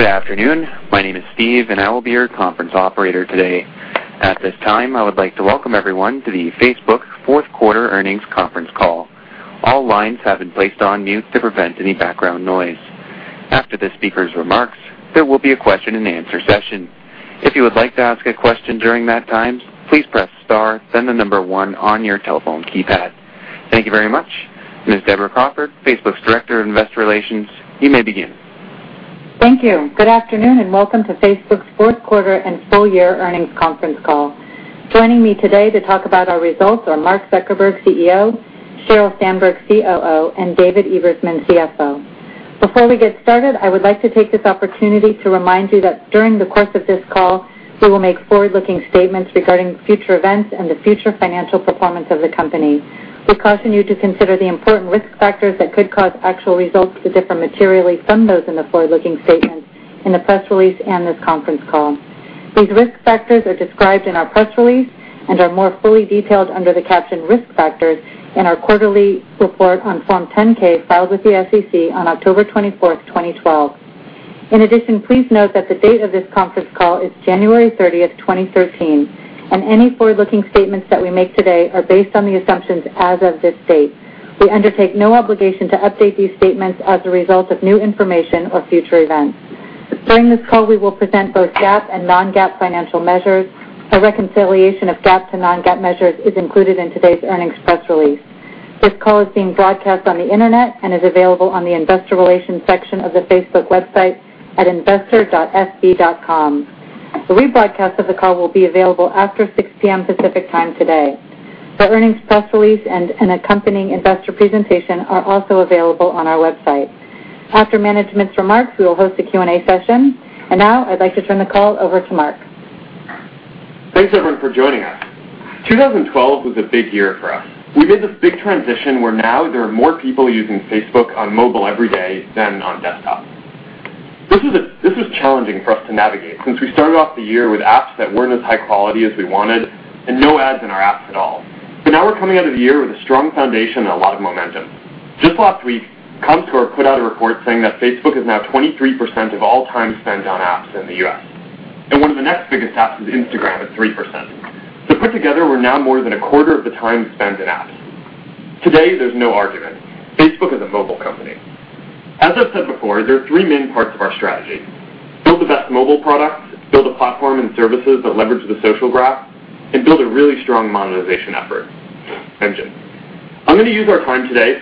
Good afternoon. My name is Steve, and I will be your conference operator today. At this time, I would like to welcome everyone to the Facebook Fourth Quarter Earnings Conference Call. All lines have been placed on mute to prevent any background noise. After the speakers' remarks, there will be a question and answer session. If you would like to ask a question during that time, please press star then the number one on your telephone keypad. Thank you very much. Ms. Deborah Crawford, Facebook's Director of Investor Relations, you may begin. Thank you. Good afternoon, and welcome to Facebook's fourth quarter and full year earnings conference call. Joining me today to talk about our results are Mark Zuckerberg, CEO, Sheryl Sandberg, COO, and David Ebersman, CFO. Before we get started, I would like to take this opportunity to remind you that during the course of this call, we will make forward-looking statements regarding future events and the future financial performance of the company. We caution you to consider the important risk factors that could cause actual results to differ materially from those in the forward-looking statements, in the press release, and this conference call. These risk factors are described in our press release and are more fully detailed under the caption Risk Factors in our quarterly report on Form 10-K filed with the SEC on October 24, 2012. In addition, please note that the date of this conference call is January 30, 2013, and any forward-looking statements that we make today are based on the assumptions as of this date. We undertake no obligation to update these statements as a result of new information or future events. During this call, we will present both GAAP and non-GAAP financial measures. A reconciliation of GAAP to non-GAAP measures is included in today's earnings press release. This call is being broadcast on the internet and is available on the investor relations section of the Facebook website at investor.fb.com. The rebroadcast of the call will be available after 6:00 P.M. Pacific Time today. The earnings press release and an accompanying investor presentation are also available on our website. After management's remarks, we will host a Q&A session. Now, I'd like to turn the call over to Mark. Thanks, everyone, for joining us. 2012 was a big year for us. We made this big transition where now there are more people using Facebook on mobile every day than on desktop. This was challenging for us to navigate since we started off the year with apps that weren't as high quality as we wanted and no ads in our apps at all. Now we're coming out of the year with a strong foundation and a lot of momentum. Just last week, Comscore put out a report saying that Facebook is now 23% of all time spent on apps in the U.S. One of the next biggest apps is Instagram at 3%. Put together, we're now more than a quarter of the time spent in apps. Today, there's no argument. Facebook is a mobile company. As I've said before, there are three main parts of our strategy: build the best mobile products, build a platform and services that leverage the social graph, and build a really strong monetization effort engine. I'm going to use our time today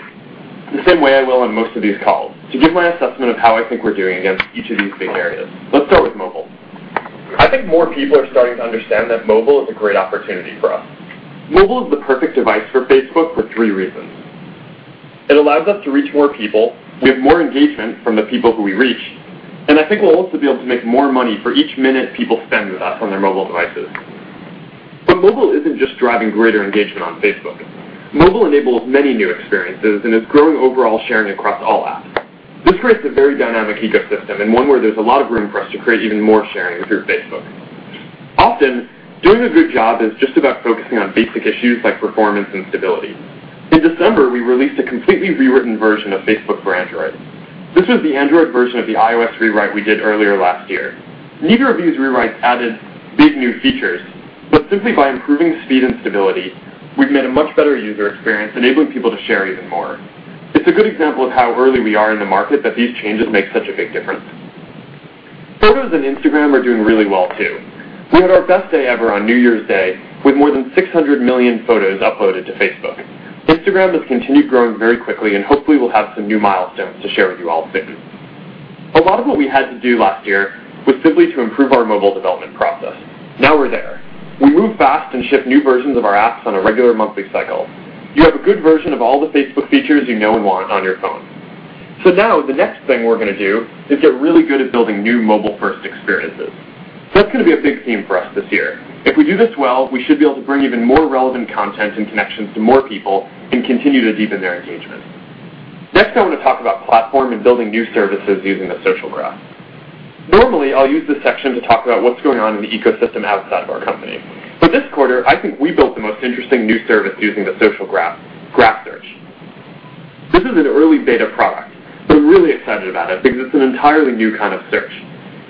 the same way I will on most of these calls, to give my assessment of how I think we're doing against each of these big areas. Let's start with mobile. I think more people are starting to understand that mobile is a great opportunity for us. Mobile is the perfect device for Facebook for three reasons. It allows us to reach more people, we have more engagement from the people who we reach, and I think we'll also be able to make more money for each minute people spend with us on their mobile devices. Mobile isn't just driving greater engagement on Facebook. Mobile enables many new experiences and is growing overall sharing across all apps. This creates a very dynamic ecosystem and one where there's a lot of room for us to create even more sharing through Facebook. Often, doing a good job is just about focusing on basic issues like performance and stability. In December, we released a completely rewritten version of Facebook for Android. This was the Android version of the iOS rewrite we did earlier last year. Neither of these rewrites added big new features, but simply by improving speed and stability, we've made a much better user experience, enabling people to share even more. It's a good example of how early we are in the market that these changes make such a big difference. Photos and Instagram are doing really well, too. We had our best day ever on New Year's Day with more than 600 million photos uploaded to Facebook. Instagram has continued growing very quickly, and hopefully we'll have some new milestones to share with you all soon. A lot of what we had to do last year was simply to improve our mobile development process. Now we're there. We move fast and ship new versions of our apps on a regular monthly cycle. You have a good version of all the Facebook features you know and want on your phone. Now the next thing we're going to do is get really good at building new mobile-first experiences. That's going to be a big theme for us this year. If we do this well, we should be able to bring even more relevant content and connections to more people and continue to deepen their engagement. Next, I want to talk about platform and building new services using the social graph. Normally, I'll use this section to talk about what's going on in the ecosystem outside of our company. This quarter, I think we built the most interesting new service using the social graph, Graph Search. This is an early beta product, but I'm really excited about it because it's an entirely new kind of search.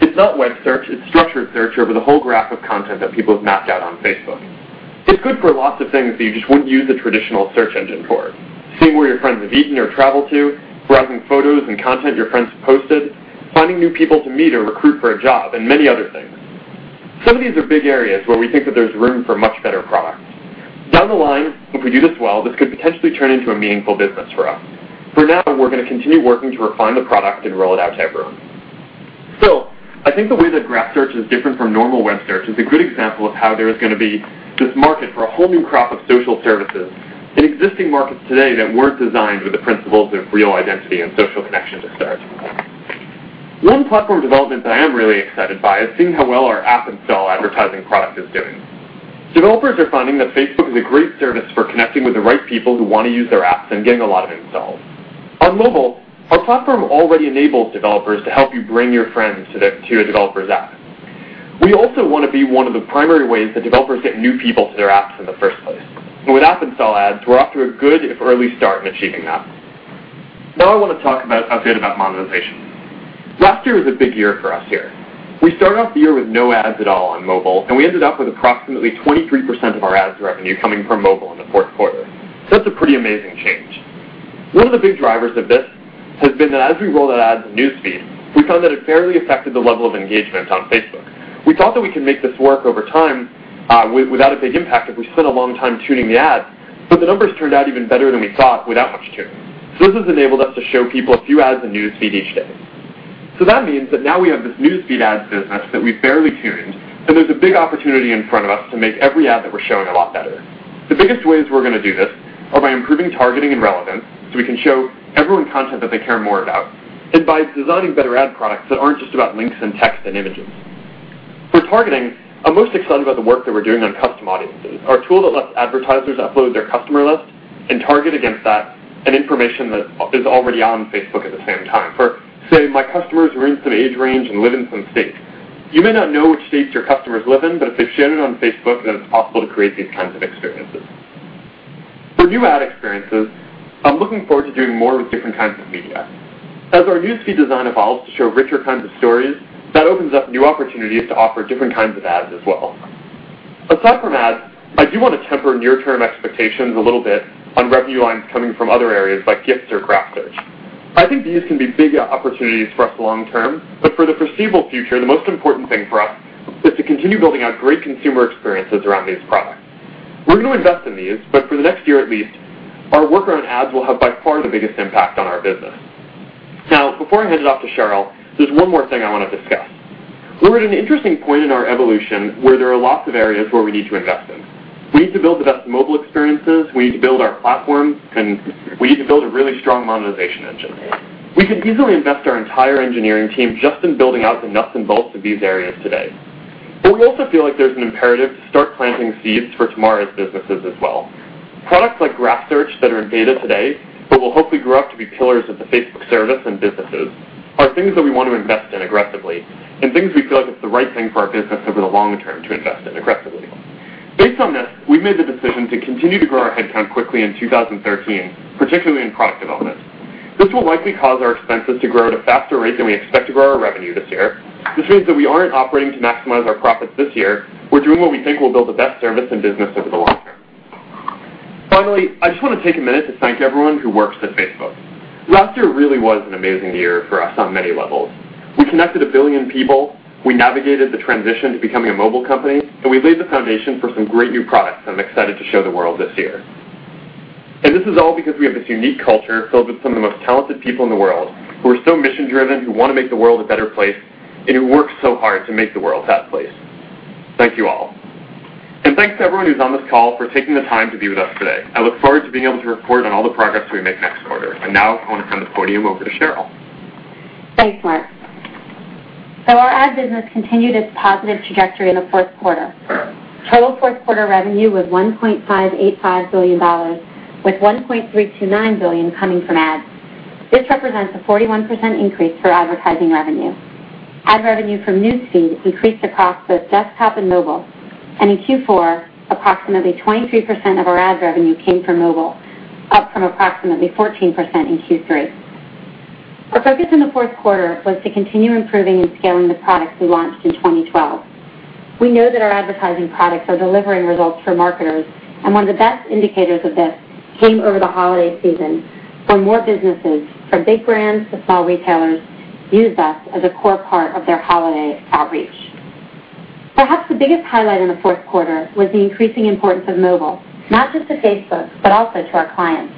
It's not web search, it's structured search over the whole graph of content that people have mapped out on Facebook. It's good for lots of things that you just wouldn't use a traditional search engine for. Seeing where your friends have eaten or traveled to, browsing photos and content your friends have posted, finding new people to meet or recruit for a job, and many other things. Some of these are big areas where we think that there's room for much better products. Down the line, if we do this well, this could potentially turn into a meaningful business for us. For now, we're going to continue working to refine the product and roll it out to everyone. Still, I think the way that Graph Search is different from normal web search is a good example of how there is going to be this market for a whole new crop of social services in existing markets today that weren't designed with the principles of real identity and social connection to start. One platform development that I am really excited by is seeing how well our app install advertising product is doing. Developers are finding that Facebook is a great service for connecting with the right people who want to use their apps and getting a lot of installs. On mobile, our platform already enables developers to help you bring your friends to the developer's app. We also want to be one of the primary ways that developers get new people to their apps in the first place. With app install ads, we're off to a good, if early, start in achieving that. I want to talk about update about monetization. Last year was a big year for us here. We started off the year with no ads at all on mobile, and we ended up with approximately 23% of our ads revenue coming from mobile in the fourth quarter. That's a pretty amazing change. One of the big drivers of this has been that as we rolled out ads in News Feed, we found that it barely affected the level of engagement on Facebook. We thought that we could make this work over time, without a big impact if we spent a long time tuning the ads, but the numbers turned out even better than we thought without much tuning. This has enabled us to show people a few ads in News Feed each day. That means that now we have this News Feed ads business that we've barely tuned, and there's a big opportunity in front of us to make every ad that we're showing a lot better. The biggest ways we're going to do this are by improving targeting and relevance, so we can show everyone content that they care more about, and by designing better ad products that aren't just about links and text and images. For targeting, I'm most excited about the work that we're doing on Custom Audiences, our tool that lets advertisers upload their customer list and target against that, and information that is already on Facebook at the same time. For, say, my customers are in some age range and live in some states. You may not know which states your customers live in, but if they've shared it on Facebook, it's possible to create these kinds of experiences. For new ad experiences, I'm looking forward to doing more with different kinds of media. As our News Feed design evolves to show richer kinds of stories, that opens up new opportunities to offer different kinds of ads as well. Aside from ads, I do want to temper near-term expectations a little bit on revenue lines coming from other areas like gifts or Graph Search. I think these can be big opportunities for us long term, but for the foreseeable future, the most important thing for us is to continue building out great consumer experiences around these products. We're going to invest in these, but for the next year at least, our work around ads will have by far the biggest impact on our business. Before I hand it off to Sheryl, there's one more thing I want to discuss. We're at an interesting point in our evolution where there are lots of areas where we need to invest in. We need to build the best mobile experiences, we need to build our platforms, and we need to build a really strong monetization engine. We could easily invest our entire engineering team just in building out the nuts and bolts of these areas today. We also feel like there's an imperative to start planting seeds for tomorrow's businesses as well. Products like Graph Search that are in beta today, but will hopefully grow up to be pillars of the Facebook service and businesses, are things that we want to invest in aggressively, and things we feel like it's the right thing for our business over the long term to invest in aggressively. Based on this, we've made the decision to continue to grow our headcount quickly in 2013, particularly in product development. This will likely cause our expenses to grow at a faster rate than we expect to grow our revenue this year. This means that we aren't operating to maximize our profits this year. We're doing what we think will build the best service and business over the long term. Finally, I just want to take a minute to thank everyone who works at Facebook. Last year really was an amazing year for us on many levels. We connected 1 billion people, we navigated the transition to becoming a mobile company, and we laid the foundation for some great new products that I'm excited to show the world this year. This is all because we have this unique culture filled with some of the most talented people in the world, who are so mission-driven, who want to make the world a better place, and who work so hard to make the world that place. Thank you all. Thanks to everyone who's on this call for taking the time to be with us today. I look forward to being able to report on all the progress we make next quarter. Now I want to turn the podium over to Sheryl. Thanks, Mark. Our ad business continued its positive trajectory in the fourth quarter. Total fourth quarter revenue was $1.585 billion, with $1.329 billion coming from ads. This represents a 41% increase for advertising revenue. Ad revenue from News Feed increased across both desktop and mobile, and in Q4, approximately 23% of our ad revenue came from mobile, up from approximately 14% in Q3. Our focus in the fourth quarter was to continue improving and scaling the products we launched in 2012. We know that our advertising products are delivering results for marketers, and one of the best indicators of this came over the holiday season, where more businesses, from big brands to small retailers, used us as a core part of their holiday outreach. Perhaps the biggest highlight in the fourth quarter was the increasing importance of mobile, not just to Facebook, but also to our clients.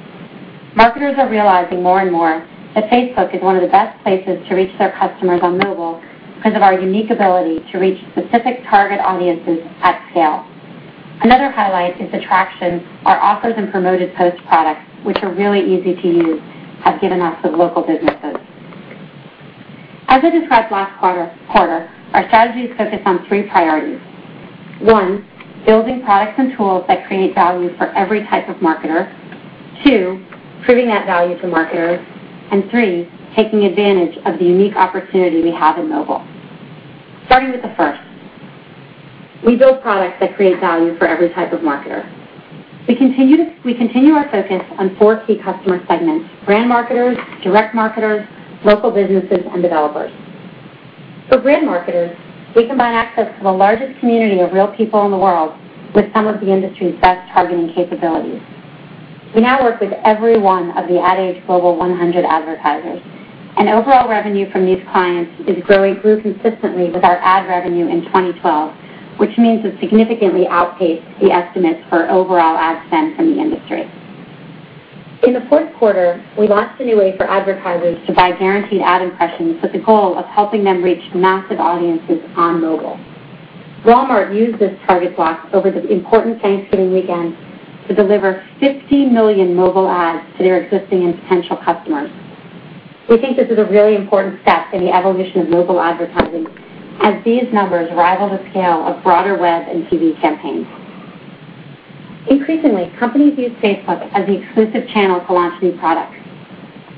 Marketers are realizing more and more that Facebook is one of the best places to reach their customers on mobile because of our unique ability to reach specific target audiences at scale. Another highlight is the traction our Offers and Promoted Posts products, which are really easy to use, have given us with local businesses. As I described last quarter, our strategy is focused on three priorities. One, building products and tools that create value for every type of marketer. Two, proving that value to marketers. Three, taking advantage of the unique opportunity we have in mobile. Starting with the first, we build products that create value for every type of marketer. We continue our focus on four key customer segments, brand marketers, direct marketers, local businesses, and developers. For brand marketers, we combine access to the largest community of real people in the world with some of the industry's best targeting capabilities. We now work with every one of the Ad Age Global 100 advertisers, and overall revenue from these clients grew consistently with our ad revenue in 2012, which means it significantly outpaced the estimates for overall ad spend from the industry. In the fourth quarter, we launched a new way for advertisers to buy guaranteed ad impressions with the goal of helping them reach massive audiences on mobile. Walmart used this Target Block over the important Thanksgiving weekend to deliver 50 million mobile ads to their existing and potential customers. We think this is a really important step in the evolution of mobile advertising, as these numbers rival the scale of broader web and TV campaigns. Increasingly, companies use Facebook as the exclusive channel to launch new products.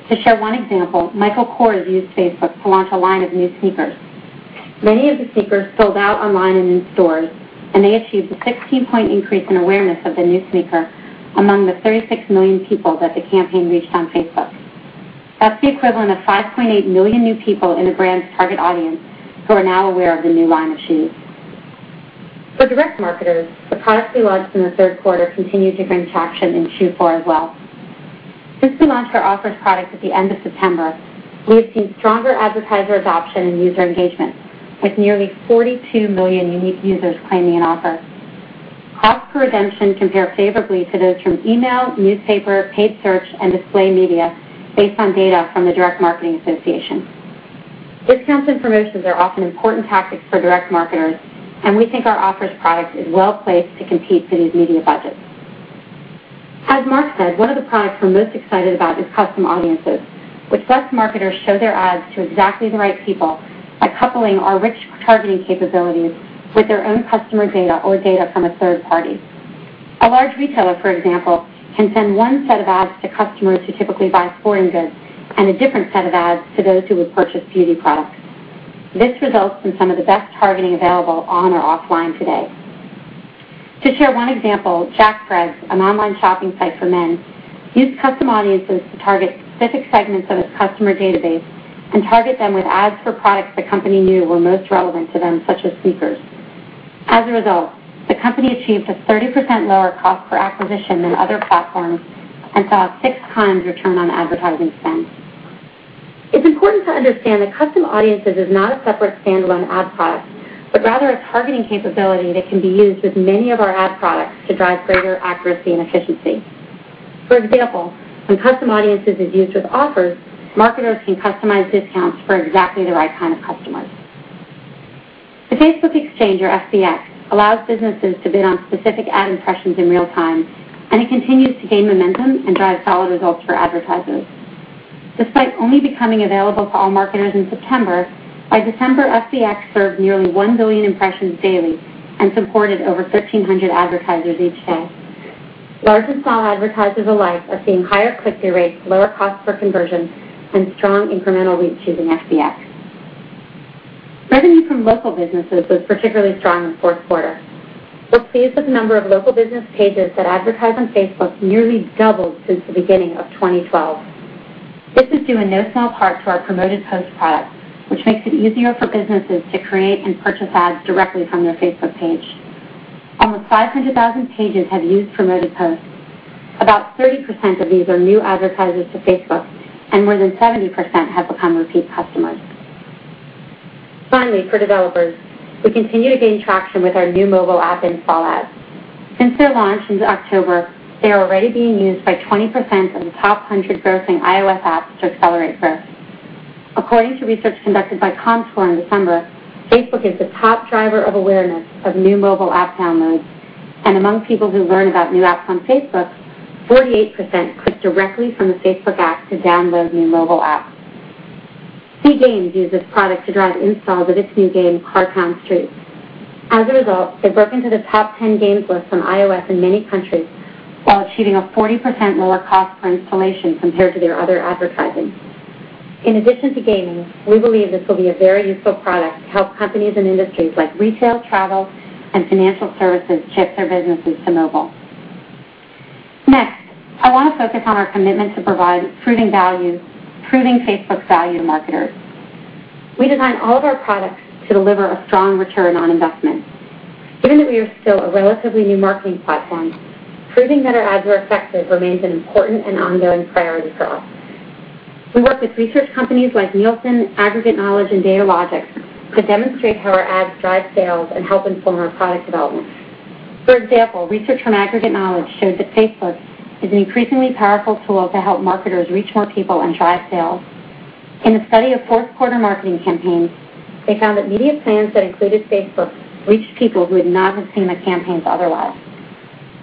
To share one example, Michael Kors used Facebook to launch a line of new sneakers. Many of the sneakers sold out online and in stores, and they achieved a 16-point increase in awareness of the new sneaker among the 36 million people that the campaign reached on Facebook. That's the equivalent of 5.8 million new people in the brand's target audience who are now aware of the new line of shoes. For direct marketers, the products we launched in the third quarter continued to bring traction in Q4 as well. Since we launched our Offers product at the end of September, we have seen stronger advertiser adoption and user engagement, with nearly 42 million unique users claiming an offer. Cost per redemption compare favorably to those from email, newspaper, paid search, and display media based on data from the Direct Marketing Association. Discounts and promotions are often important tactics for direct marketers, and we think our Offers product is well-placed to compete for these media budgets. As Mark said, one of the products we're most excited about is Custom Audiences, which lets marketers show their ads to exactly the right people by coupling our rich targeting capabilities with their own customer data or data from a third party. A large retailer, for example, can send one set of ads to customers who typically buy sporting goods and a different set of ads to those who would purchase beauty products. This results in some of the best targeting available on or offline today. To share one example, JackThreads, an online shopping site for men, used Custom Audiences to target specific segments of its customer database and target them with ads for products the company knew were most relevant to them, such as sneakers. As a result, the company achieved a 30% lower cost per acquisition than other platforms and saw a 6 times return on advertising spend. It's important to understand that Custom Audiences is not a separate standalone ad product, but rather a targeting capability that can be used with many of our ad products to drive greater accuracy and efficiency. For example, when Custom Audiences is used with Offers, marketers can customize discounts for exactly the right kind of customers. The Facebook Exchange, or FBX, allows businesses to bid on specific ad impressions in real time, and it continues to gain momentum and drive solid results for advertisers. Despite only becoming available to all marketers in September, by December, FBX served nearly 1 billion impressions daily and supported over 1,300 advertisers each day. Large and small advertisers alike are seeing higher click-through rates, lower cost per conversion, and strong incremental reach using FBX. Revenue from local businesses was particularly strong in the fourth quarter. We're pleased that the number of local business pages that advertise on Facebook nearly doubled since the beginning of 2012. This is due in no small part to our Promoted Posts product, which makes it easier for businesses to create and purchase ads directly from their Facebook page. Almost 500,000 pages have used Promoted Posts. About 30% of these are new advertisers to Facebook, and more than 70% have become repeat customers. Finally, for developers, we continue to gain traction with our new mobile app install ads. Since their launch in October, they are already being used by 20% of the top 100 grossing iOS apps to accelerate growth. According to research conducted by Comscore in December, Facebook is the top driver of awareness of new mobile app downloads, and among people who learn about new apps on Facebook, 48% click directly from the Facebook app to download new mobile apps. Cie Games used this product to drive installs of its new game, Car Town Streets. As a result, they broke into the top 10 games list on iOS in many countries while achieving a 40% lower cost per installation compared to their other advertising. In addition to gaming, we believe this will be a very useful product to help companies and industries like retail, travel, and financial services shift their businesses to mobile. Next, I want to focus on our commitment to provide proving Facebook's value to marketers. We design all of our products to deliver a strong return on investment. Given that we are still a relatively new marketing platform, proving that our ads are effective remains an important and ongoing priority for us. We work with research companies like Nielsen, Aggregate Knowledge, and Datalogix to demonstrate how our ads drive sales and help inform our product development. For example, research from Aggregate Knowledge shows that Facebook is an increasingly powerful tool to help marketers reach more people and drive sales. In a study of fourth quarter marketing campaigns, they found that media plans that included Facebook reached people who would not have seen the campaigns otherwise.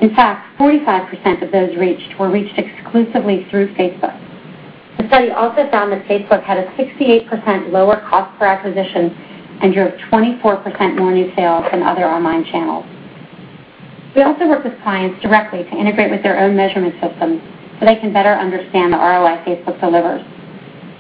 In fact, 45% of those reached were reached exclusively through Facebook. The study also found that Facebook had a 68% lower cost per acquisition and drove 24% more new sales than other online channels. We also work with clients directly to integrate with their own measurement systems so they can better understand the ROI Facebook delivers.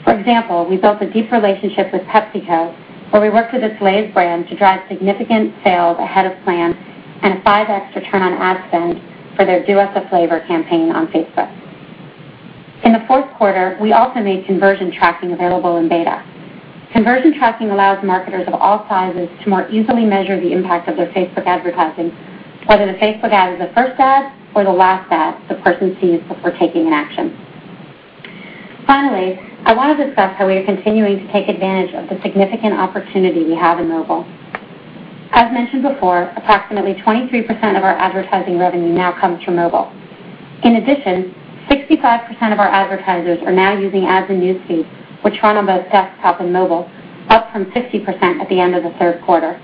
For example, we built a deep relationship with PepsiCo, where we worked with its Lay's brand to drive significant sales ahead of plan and a 5x return on ad spend for their Do Us a Flavor campaign on Facebook. In the fourth quarter, we also made conversion tracking available in beta. Conversion tracking allows marketers of all sizes to more easily measure the impact of their Facebook advertising, whether the Facebook ad is the first ad or the last ad the person sees before taking an action. Finally, I want to discuss how we are continuing to take advantage of the significant opportunity we have in mobile. As mentioned before, approximately 23% of our advertising revenue now comes from mobile. In addition, 65% of our advertisers are now using ads in News Feed, which run on both desktop and mobile, up from 50% at the end of the third quarter.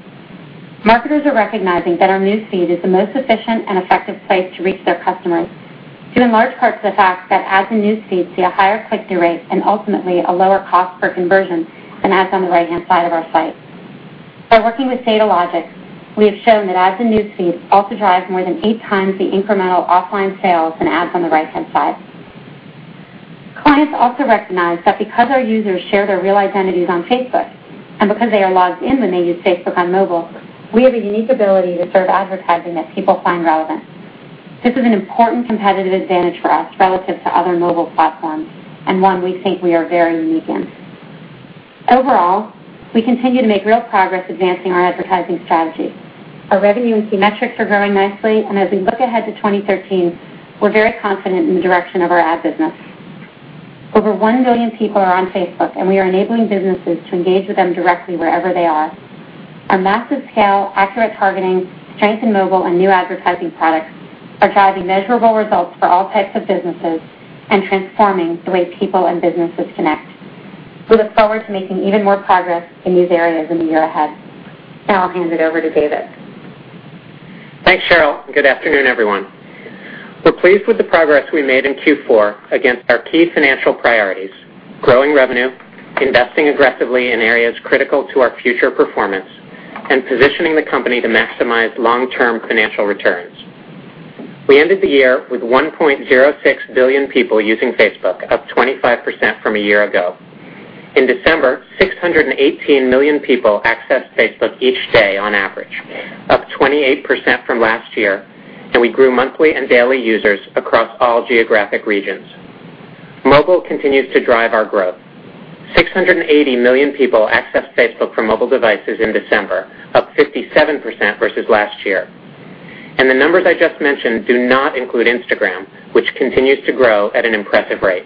Marketers are recognizing that our News Feed is the most efficient and effective place to reach their customers, due in large part to the fact that ads in News Feed see a higher click-through rate and ultimately a lower cost per conversion than ads on the right-hand side of our site. By working with Datalogix, we have shown that ads in News Feed also drive more than eight times the incremental offline sales than ads on the right-hand side. Clients also recognize that because our users share their real identities on Facebook and because they are logged in when they use Facebook on mobile, we have a unique ability to serve advertising that people find relevant. This is an important competitive advantage for us relative to other mobile platforms, and one we think we are very unique in. Overall, we continue to make real progress advancing our advertising strategy. Our revenue and key metrics are growing nicely, and as we look ahead to 2013, we're very confident in the direction of our ad business. Over one billion people are on Facebook, and we are enabling businesses to engage with them directly wherever they are. Our massive scale, accurate targeting, strength in mobile, and new advertising products are driving measurable results for all types of businesses and transforming the way people and businesses connect. We look forward to making even more progress in these areas in the year ahead. Now I'll hand it over to David. Thanks, Sheryl, and good afternoon, everyone. We're pleased with the progress we made in Q4 against our key financial priorities: growing revenue, investing aggressively in areas critical to our future performance, and positioning the company to maximize long-term financial returns. We ended the year with 1.06 billion people using Facebook, up 25% from a year ago. In December, 618 million people accessed Facebook each day on average, up 28% from last year, and we grew monthly and daily users across all geographic regions. Mobile continues to drive our growth. 680 million people accessed Facebook from mobile devices in December, up 57% versus last year. The numbers I just mentioned do not include Instagram, which continues to grow at an impressive rate.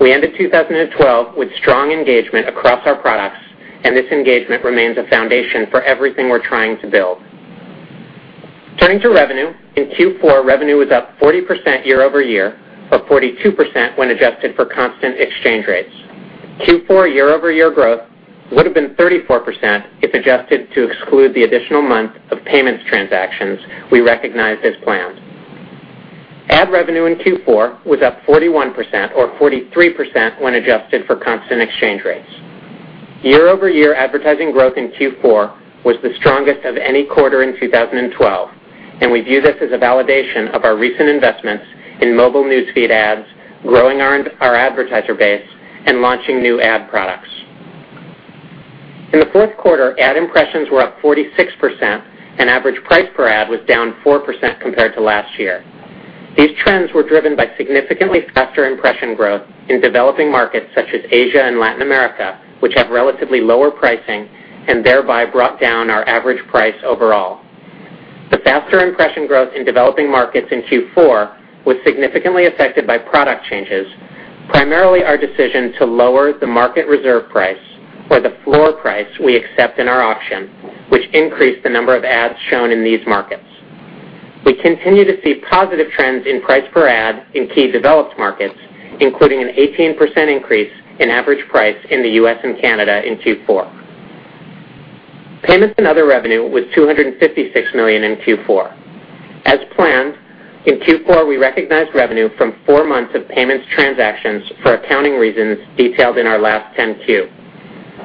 We ended 2012 with strong engagement across our products, and this engagement remains a foundation for everything we're trying to build. Turning to revenue, in Q4, revenue was up 40% year-over-year, or 42% when adjusted for constant exchange rates. Q4 year-over-year growth would have been 34% if adjusted to exclude the additional month of payments transactions we recognized as planned. Ad revenue in Q4 was up 41%, or 43% when adjusted for constant exchange rates. Year-over-year advertising growth in Q4 was the strongest of any quarter in 2012. We view this as a validation of our recent investments in mobile News Feed ads, growing our advertiser base, and launching new ad products. In the fourth quarter, ad impressions were up 46%, and average price per ad was down 4% compared to last year. These trends were driven by significantly faster impression growth in developing markets such as Asia and Latin America, which have relatively lower pricing, thereby brought down our average price overall. The faster impression growth in developing markets in Q4 was significantly affected by product changes, primarily our decision to lower the market reserve price or the floor price we accept in our auction, which increased the number of ads shown in these markets. We continue to see positive trends in price per ad in key developed markets, including an 18% increase in average price in the U.S. and Canada in Q4. Payments and other revenue was $256 million in Q4. As planned, in Q4, we recognized revenue from four months of payments transactions for accounting reasons detailed in our last 10-Q.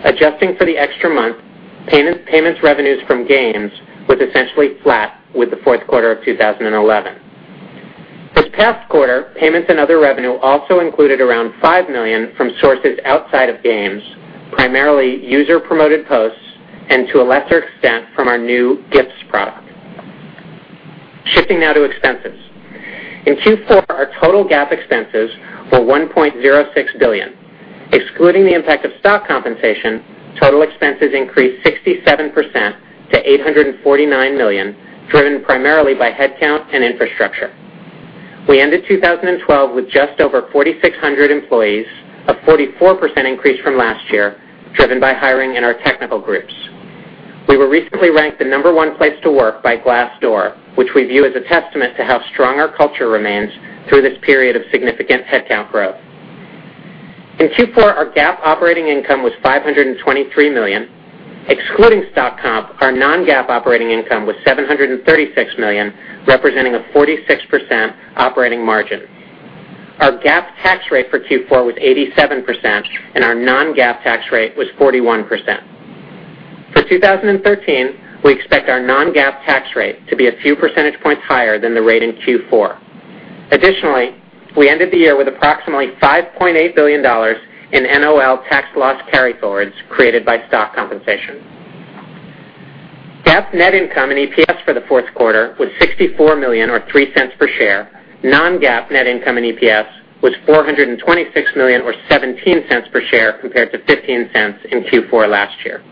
Adjusting for the extra month, payments revenues from Games was essentially flat with the fourth quarter of 2011. This past quarter, payments and other revenue also included around $5 million from sources outside of Games, primarily user-Promoted Posts, and to a lesser extent, from our new Gifts product. Shifting now to expenses. In Q4, our total GAAP expenses were $1.06 billion. Excluding the impact of stock compensation, total expenses increased 67% to $849 million, driven primarily by headcount and infrastructure. We ended 2012 with just over 4,600 employees, a 44% increase from last year, driven by hiring in our technical groups. We were recently ranked the number one place to work by Glassdoor, which we view as a testament to how strong our culture remains through this period of significant headcount growth. In Q4, our GAAP operating income was $523 million. Excluding stock comp, our non-GAAP operating income was $736 million, representing a 46% operating margin. Our GAAP tax rate for Q4 was 87%, and our non-GAAP tax rate was 41%. For 2013, we expect our non-GAAP tax rate to be a few percentage points higher than the rate in Q4. We ended the year with approximately $5.8 billion in NOL tax loss carryforwards created by stock compensation. GAAP net income and EPS for the fourth quarter was $64 million, or $0.03 per share. Non-GAAP net income and EPS was $426 million, or $0.17 per share, compared to $0.15 in Q4 last year.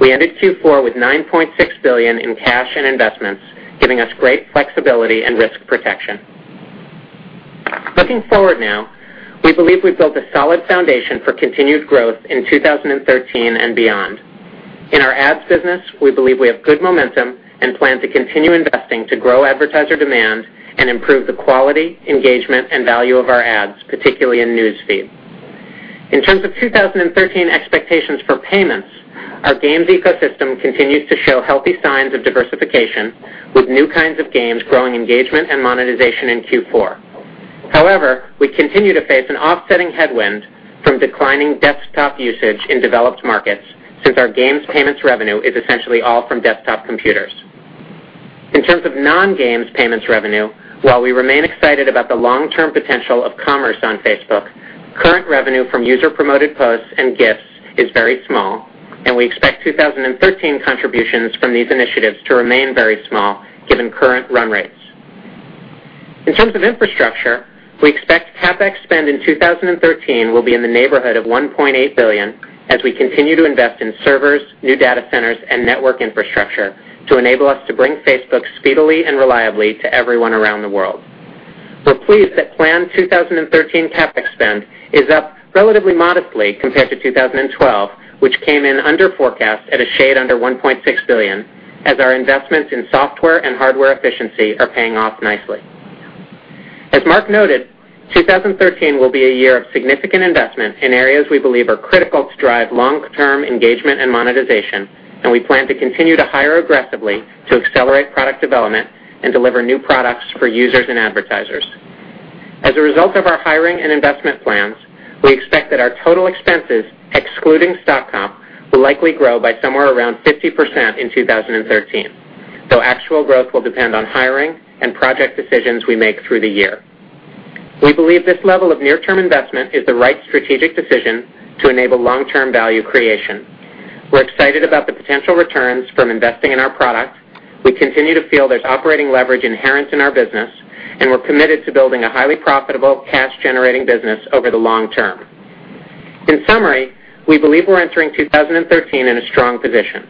We ended Q4 with $9.6 billion in cash and investments, giving us great flexibility and risk protection. Looking forward now, we believe we've built a solid foundation for continued growth in 2013 and beyond. In our ads business, we believe we have good momentum and plan to continue investing to grow advertiser demand and improve the quality, engagement, and value of our ads, particularly in News Feed. In terms of 2013 expectations for payments, our Games ecosystem continues to show healthy signs of diversification, with new kinds of games growing engagement and monetization in Q4. We continue to face an offsetting headwind from declining desktop usage in developed markets, since our games payments revenue is essentially all from desktop computers. In terms of non-games payments revenue, while we remain excited about the long-term potential of commerce on Facebook, current revenue from user-promoted posts and gifts is very small, and we expect 2013 contributions from these initiatives to remain very small given current run rates. In terms of infrastructure, we expect CapEx spend in 2013 will be in the neighborhood of $1.8 billion as we continue to invest in servers, new data centers, and network infrastructure to enable us to bring Facebook speedily and reliably to everyone around the world. We're pleased that planned 2013 CapEx spend is up relatively modestly compared to 2012, which came in under forecast at a shade under $1.6 billion, as our investments in software and hardware efficiency are paying off nicely. As Mark noted, 2013 will be a year of significant investment in areas we believe are critical to drive long-term engagement and monetization. We plan to continue to hire aggressively to accelerate product development and deliver new products for users and advertisers. As a result of our hiring and investment plans, we expect that our total expenses, excluding stock comp, will likely grow by somewhere around 50% in 2013, though actual growth will depend on hiring and project decisions we make through the year. We believe this level of near-term investment is the right strategic decision to enable long-term value creation. We're excited about the potential returns from investing in our product. We continue to feel there's operating leverage inherent in our business, and we're committed to building a highly profitable, cash-generating business over the long term. In summary, we believe we're entering 2013 in a strong position.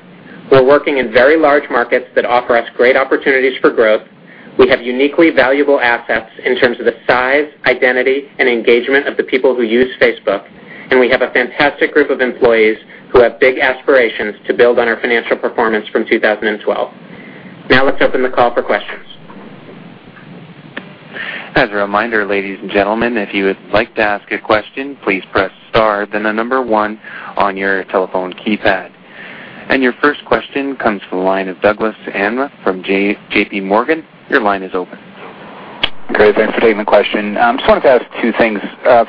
We're working in very large markets that offer us great opportunities for growth. We have uniquely valuable assets in terms of the size, identity, and engagement of the people who use Facebook, and we have a fantastic group of employees who have big aspirations to build on our financial performance from 2012. Let's open the call for questions. As a reminder, ladies and gentlemen, if you would like to ask a question, please press star, then the number 1 on your telephone keypad. Your first question comes from the line of Douglas Anmuth from J.P. Morgan. Your line is open. Thanks for taking the question. I just wanted to ask two things.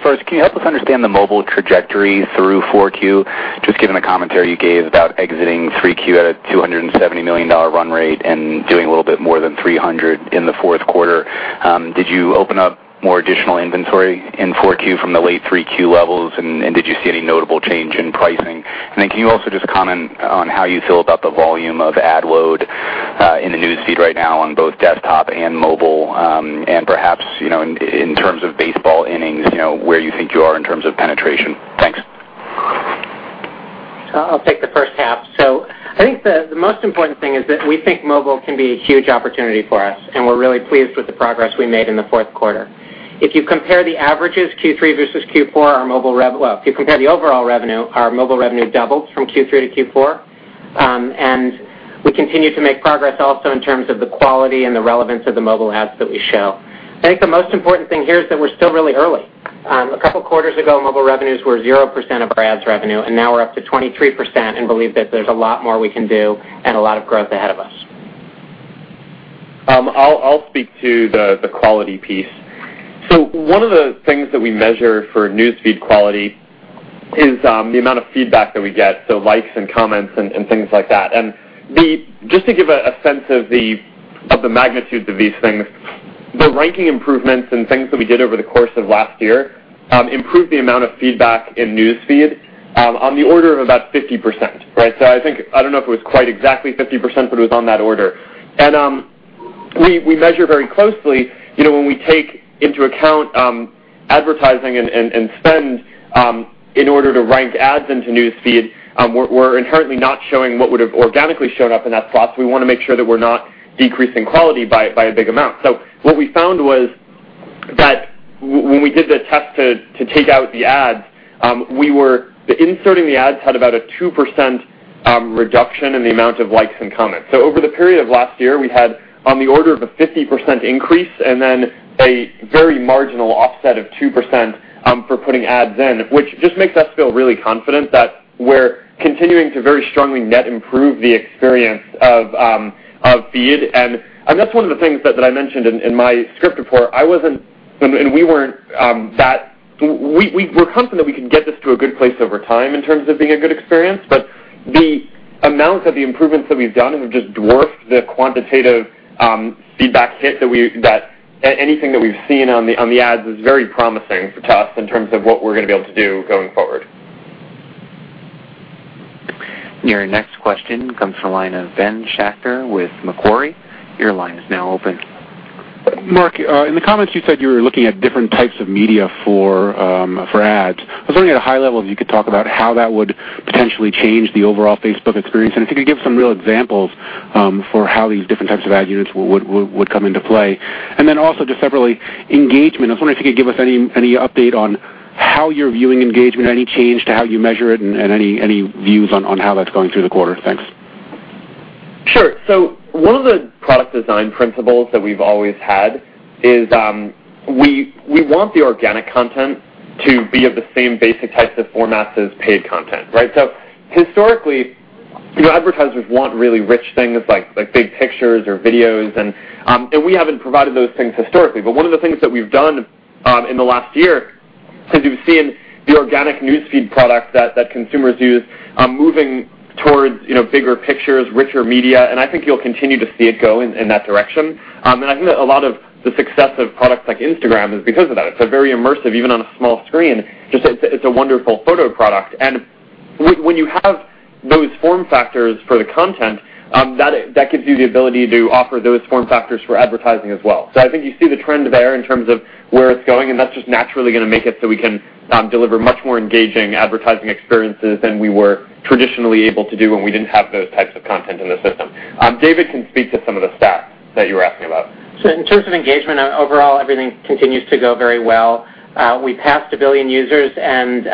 First, can you help us understand the mobile trajectory through 4Q, just given the commentary you gave about exiting 3Q at a $270 million run rate and doing a little bit more than 300 in the fourth quarter. Did you open up more additional inventory in 4Q from the late 3Q levels, and did you see any notable change in pricing? Can you also just comment on how you feel about the volume of ad load in the News Feed right now on both desktop and mobile and perhaps, in terms of baseball innings, where you think you are in terms of penetration? Thanks. I'll take the first half. I think the most important thing is that we think mobile can be a huge opportunity for us, and we're really pleased with the progress we made in the fourth quarter. If you compare the averages Q3 versus Q4, our mobile Well, if you compare the overall revenue, our mobile revenue doubles from Q3 to Q4. We continue to make progress also in terms of the quality and the relevance of the mobile ads that we show. I think the most important thing here is that we're still really early. A couple of quarters ago, mobile revenues were 0% of our ads revenue, and now we're up to 23% and believe that there's a lot more we can do and a lot of growth ahead of us. I'll speak to the quality piece. One of the things that we measure for News Feed quality is the amount of feedback that we get, likes and comments and things like that. Just to give a sense of the magnitude of these things, the ranking improvements and things that we did over the course of last year improved the amount of feedback in News Feed on the order of about 50%. I don't know if it was quite exactly 50%, but it was on that order. We measure very closely when we take into account advertising and spend in order to rank ads into News Feed. We're inherently not showing what would have organically shown up in that slot, so we want to make sure that we're not decreasing quality by a big amount. What we found was that when we did the test to take out the ads, inserting the ads had about a 2% reduction in the amount of likes and comments. Over the period of last year, we had on the order of a 50% increase and then a very marginal offset of 2% for putting ads in, which just makes us feel really confident that we're continuing to very strongly net improve the experience of News Feed. That's one of the things that I mentioned in my script before. We're confident we can get this to a good place over time in terms of being a good experience, the amount of the improvements that we've done have just dwarfed the quantitative feedback hit that anything that we've seen on the ads is very promising to us in terms of what we're going to be able to do going forward. Your next question comes from the line of Ben Schachter with Macquarie. Your line is now open. Mark, in the comments you said you were looking at different types of media for ads. I was wondering at a high level if you could talk about how that would potentially change the overall Facebook experience. If you could give some real examples for how these different types of ad units would come into play. Separately, engagement. I was wondering if you could give us any update on how you're viewing engagement, any change to how you measure it, and any views on how that's going through the quarter. Thanks. Sure. One of the product design principles that we've always had is we want the organic content to be of the same basic types of formats as paid content. Historically, advertisers want really rich things like big pictures or videos, and we haven't provided those things historically. One of the things that we've done in the last year is we've seen the organic News Feed product that consumers use moving towards bigger pictures, richer media, and I think you'll continue to see it go in that direction. I think that a lot of the success of products like Instagram is because of that. It's very immersive, even on a small screen. Just, it's a wonderful photo product. When you have those form factors for the content, that gives you the ability to offer those form factors for advertising as well. I think you see the trend there in terms of where it's going, and that's just naturally going to make it so we can deliver much more engaging advertising experiences than we were traditionally able to do when we didn't have those types of content in the system. David can speak to some of the stats that you were asking about. In terms of engagement, overall, everything continues to go very well. We passed 1 billion users, and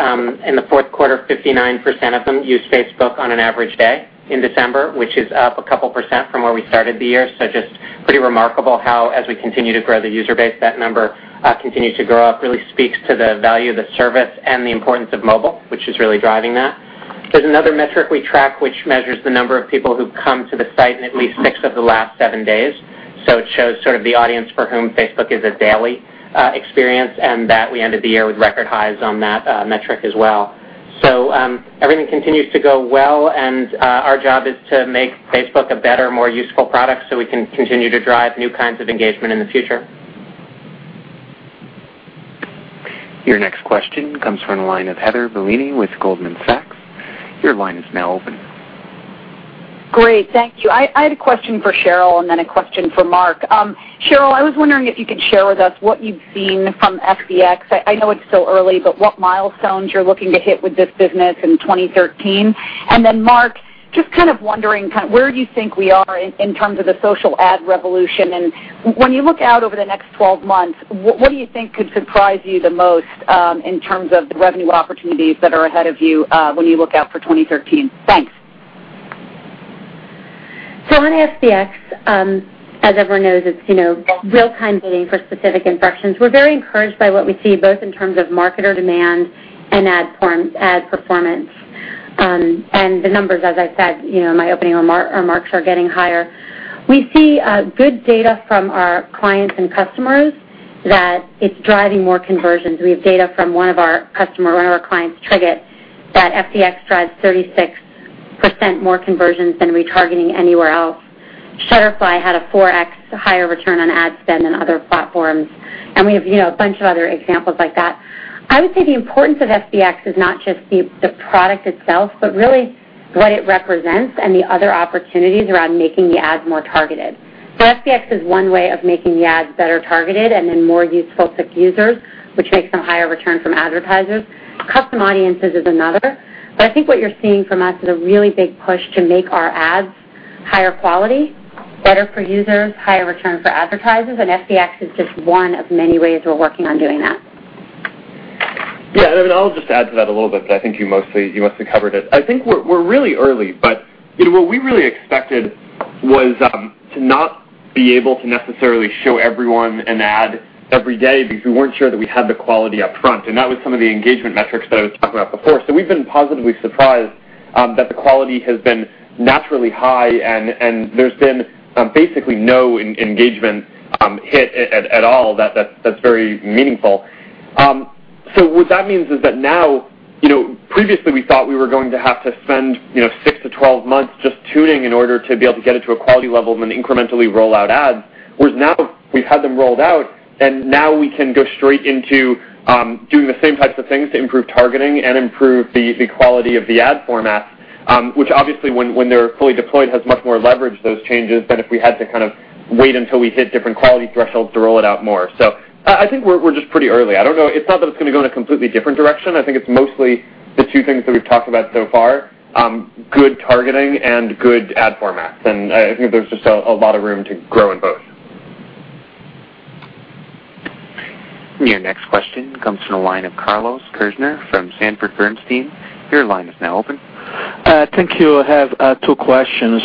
in the fourth quarter, 59% of them used Facebook on an average day in December, which is up a couple percent from where we started the year. Just pretty remarkable how, as we continue to grow the user base, that number continues to go up. Really speaks to the value of the service and the importance of mobile, which is really driving that. There's another metric we track, which measures the number of people who've come to the site in at least six of the last seven days. It shows sort of the audience for whom Facebook is a daily experience, that we ended the year with record highs on that metric as well. Everything continues to go well and our job is to make Facebook a better, more useful product so we can continue to drive new kinds of engagement in the future. Your next question comes from the line of Heather Bellini with Goldman Sachs. Your line is now open. Great. Thank you. I had a question for Sheryl and then a question for Mark. Sheryl, I was wondering if you could share with us what you've seen from FBX. I know it's still early, but what milestones you're looking to hit with this business in 2013? Mark, just kind of wondering where do you think we are in terms of the social ad revolution? When you look out over the next 12 months, what do you think could surprise you the most in terms of the revenue opportunities that are ahead of you when you look out for 2013? Thanks. On FBX, as everyone knows, it's real-time bidding for specific impressions. We're very encouraged by what we see, both in terms of marketer demand and ad performance. The numbers, as I said in my opening remarks, are getting higher. We see good data from our clients and customers that it's driving more conversions. We have data from one of our clients, Triggit, that FBX drives 36% more conversions than retargeting anywhere else. Shutterfly had a 4x higher return on ad spend than other platforms, and we have a bunch of other examples like that. I would say the importance of FBX is not just the product itself, but really what it represents and the other opportunities around making the ads more targeted. FBX is one way of making the ads better targeted and then more useful to users, which makes for higher return from advertisers. Custom Audiences is another. I think what you're seeing from us is a really big push to make our ads higher quality, better for users, higher return for advertisers, and FBX is just one of many ways we're working on doing that. I'll just add to that a little bit, I think you mostly covered it. I think we're really early, what we really expected was to not be able to necessarily show everyone an ad every day because we weren't sure that we had the quality up front, and that was some of the engagement metrics that I was talking about before. We've been positively surprised that the quality has been naturally high, and there's been basically no engagement hit at all. That's very meaningful. What that means is that now, previously we thought we were going to have to spend 6 to 12 months just tuning in order to be able to get it to a quality level and then incrementally roll out ads. Whereas now we've had them rolled out, and now we can go straight into doing the same types of things to improve targeting and improve the quality of the ad format, which obviously when they're fully deployed, has much more leverage those changes than if we had to kind of wait until we hit different quality thresholds to roll it out more. I think we're just pretty early. I don't know. It's not that it's going to go in a completely different direction. I think it's mostly the two things that we've talked about so far, good targeting and good ad formats. I think there's just a lot of room to grow in both. Your next question comes from the line of Carlos Kirjner from Sanford Bernstein. Your line is now open. Thank you. I have two questions.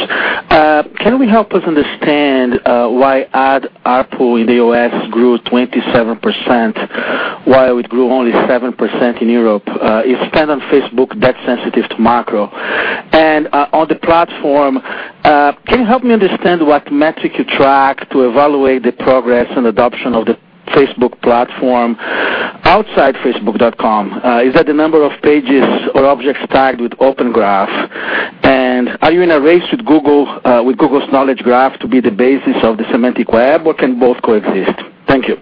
Can we help us understand why ad ARPU in the U.S. grew 27%, while it grew only 7% in Europe? Is spend on Facebook that sensitive to macro? On the platform, can you help me understand what metric you track to evaluate the progress and adoption of the Facebook platform outside facebook.com? Is that the number of pages or objects tagged with Open Graph? Are you in a race with Google's Knowledge Graph to be the basis of the semantic web, or can both coexist? Thank you.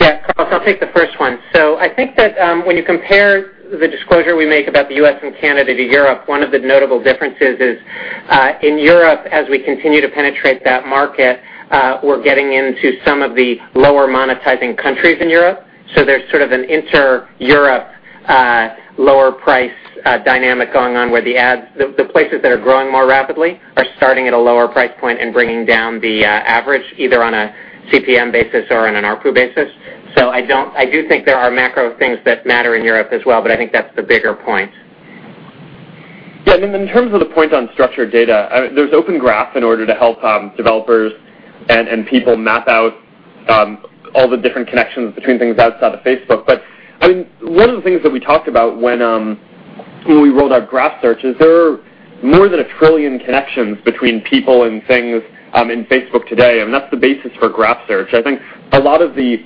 Yeah, Carlos, I'll take the first one. I think that when you compare the disclosure we make about the U.S. and Canada to Europe, one of the notable differences is in Europe, as we continue to penetrate that market, we're getting into some of the lower monetizing countries in Europe. There's sort of an inter-Europe lower price dynamic going on where the places that are growing more rapidly are starting at a lower price point and bringing down the average, either on a CPM basis or on an ARPU basis. I do think there are macro things that matter in Europe as well, but I think that's the bigger point. Yeah, in terms of the point on structured data, there's Open Graph in order to help developers and people map out all the different connections between things outside of Facebook. One of the things that we talked about when we rolled out Graph Search is there are more than a trillion connections between people and things in Facebook today, and that's the basis for Graph Search. I think a lot of the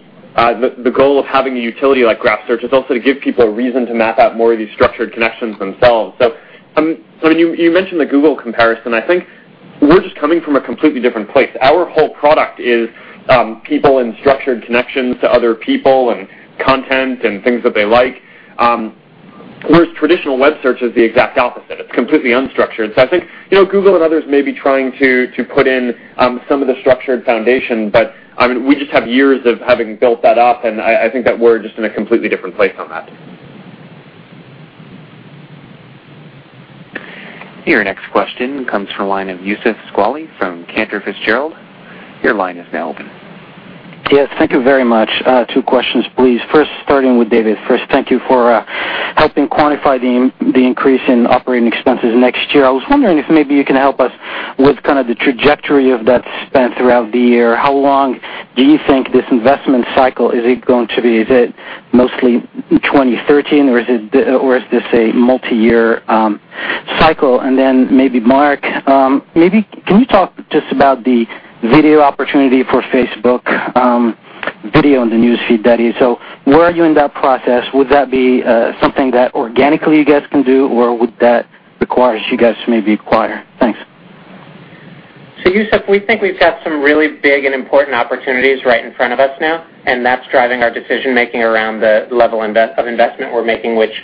goal of having a utility like Graph Search is also to give people a reason to map out more of these structured connections themselves. You mentioned the Google comparison. I think we're just coming from a completely different place. Our whole product is people and structured connections to other people and content and things that they like, whereas traditional web search is the exact opposite. It's completely unstructured. I think Google and others may be trying to put in some of the structured foundation, but we just have years of having built that up, and I think that we're just in a completely different place on that. Your next question comes from the line of Youssef Squali from Cantor Fitzgerald. Your line is now open. Yes. Thank you very much. Two questions, please. First, starting with David. First, thank you for helping quantify the increase in operating expenses next year. I was wondering if maybe you can help us with kind of the trajectory of that spend throughout the year. How long do you think this investment cycle is it going to be? Is it mostly 2013, or is this a multi-year cycle? Maybe Mark, can you talk just about the video opportunity for Facebook? Video in the News Feed, that is. Where are you in that process? Would that be something that organically you guys can do, or would that require you guys to maybe acquire? Thanks. Youssef, we think we've got some really big and important opportunities right in front of us now, and that's driving our decision-making around the level of investment we're making, which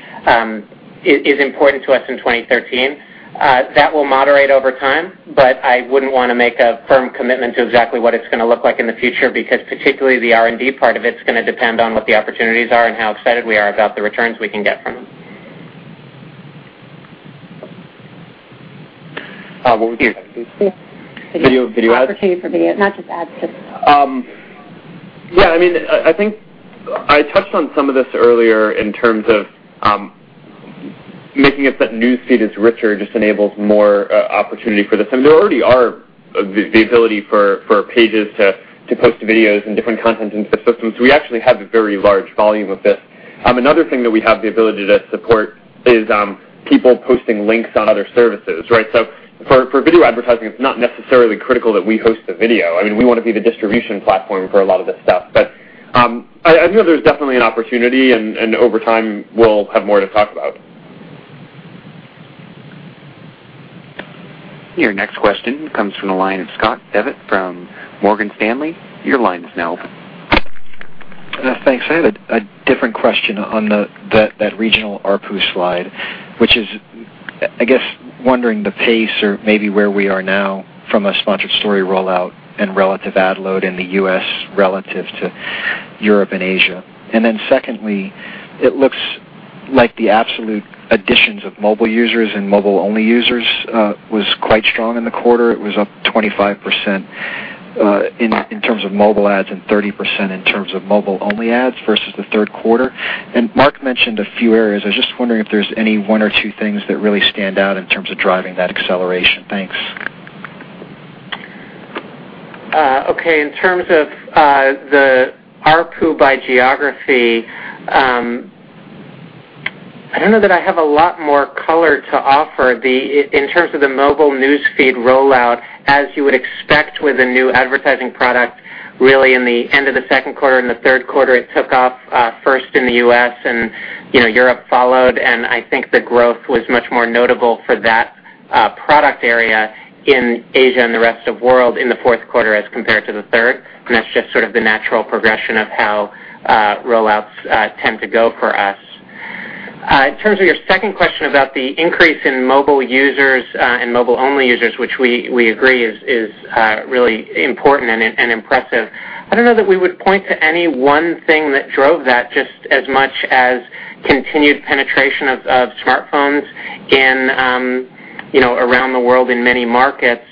is important to us in 2013. That will moderate over time, but I wouldn't want to make a firm commitment to exactly what it's going to look like in the future because particularly the R&D part of it is going to depend on what the opportunities are and how excited we are about the returns we can get from them. Video ads? Opportunity for video, not just ads. Yeah. I think I touched on some of this earlier in terms of making it so that News Feed is richer just enables more opportunity for this. There already are the ability for pages to post videos and different content into the system, so we actually have a very large volume of this. Another thing that we have the ability to support is people posting links on other services, right? For video advertising, it's not necessarily critical that we host the video. We want to be the distribution platform for a lot of this stuff. I know there's definitely an opportunity, and over time, we'll have more to talk about. Your next question comes from the line of Scott Devitt from Morgan Stanley. Your line is now open. Thanks. I have a different question on that regional ARPU slide, which is, I guess, wondering the pace or maybe where we are now from a Sponsored Stories rollout and relative ad load in the U.S. relative to Europe and Asia. Secondly, it looks like the absolute additions of mobile users and mobile-only users was quite strong in the quarter. It was up 25% in terms of mobile ads and 30% in terms of mobile-only ads versus the third quarter. Mark mentioned a few areas. I was just wondering if there's any one or two things that really stand out in terms of driving that acceleration. Thanks. Okay. In terms of the ARPU by geography, I don't know that I have a lot more color to offer. In terms of the mobile News Feed rollout, as you would expect with a new advertising product, really in the end of the second quarter and the third quarter, it took off first in the U.S., and Europe followed. I think the growth was much more notable for that product area in Asia and the rest of the world in the fourth quarter as compared to the third. That's just sort of the natural progression of how rollouts tend to go for us. In terms of your second question about the increase in mobile users and mobile-only users, which we agree is really important and impressive, I don't know that we would point to any one thing that drove that just as much as continued penetration of smartphones around the world in many markets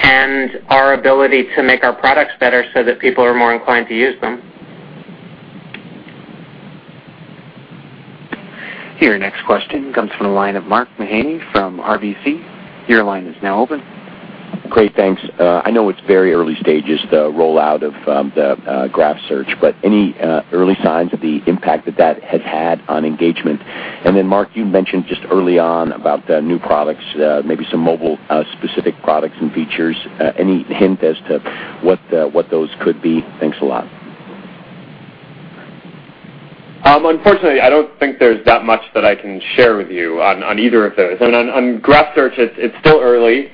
and our ability to make our products better so that people are more inclined to use them. Your next question comes from the line of Mark Mahaney from RBC. Your line is now open. Great. Thanks. I know it's very early stages, the rollout of the Graph Search, but any early signs of the impact that that has had on engagement? Then Mark, you mentioned just early on about the new products, maybe some mobile-specific products and features. Any hint as to what those could be? Thanks a lot. Unfortunately, I don't think there's that much that I can share with you on either of those. On Graph Search, it's still early.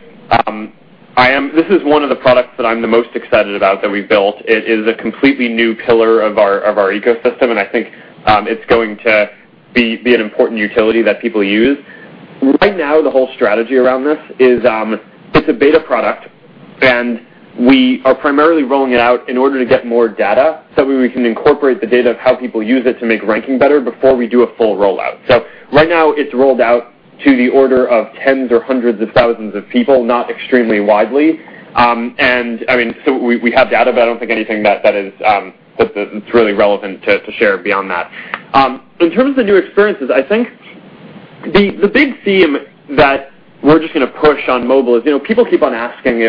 This is one of the products that I'm the most excited about that we've built. It is a completely new pillar of our ecosystem, I think it's going to be an important utility that people use. Right now, the whole strategy around this is it's a beta product, we are primarily rolling it out in order to get more data, so we can incorporate the data of how people use it to make ranking better before we do a full rollout. Right now it's rolled out to the order of tens or hundreds of thousands of people, not extremely widely. We have data, but I don't think anything that is really relevant to share beyond that. In terms of new experiences, I think the big theme that we're just going to push on mobile is people keep on asking